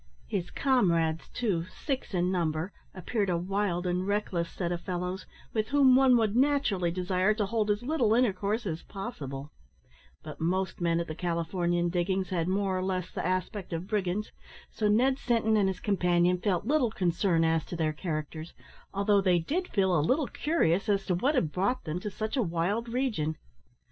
His comrades, too, six in number, appeared a wild and reckless set of fellows, with whom one would naturally desire to hold as little intercourse as possible; but most men at the Californian diggings had more or less the aspect of brigands, so Ned Sinton and his companion felt little concern as to their characters, although they did feel a little curious as to what had brought them to such a wild region.